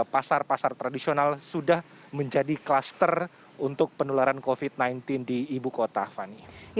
pasar pasar tradisional sudah menjadi kluster untuk penularan covid sembilan belas di ibu kota fani